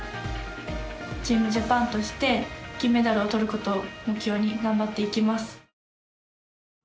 チームジャパンとして金メダルをとることを目標に頑張っていきます。